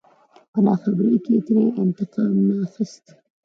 په ناخبرۍ کې يې ترې انتقام نه اخست.